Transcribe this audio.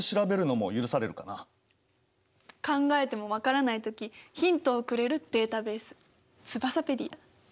考えても分からない時ヒントをくれるデータベースツバサペディア！